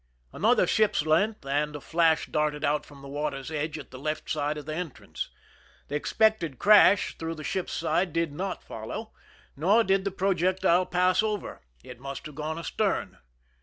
Another ship's length, and a flash darted out from the water's edge at the left side of the entrance. The expected crash through the ship's side did not follow, nor did the projectile pass over; it must have gone astern.